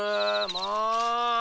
もう！